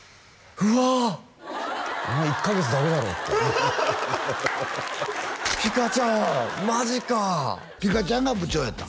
うわっお前１カ月だけだろってハハハピカちゃんマジかピカちゃんが部長やったん？